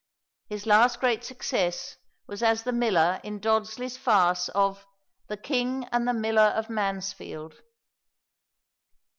His last great success was as the Miller in Dodsley's farce of "The King and the Miller of Mansfield."